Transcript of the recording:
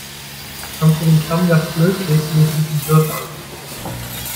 Kommst du dem Stammgast blöd, legst du dich mit dem Wirt an.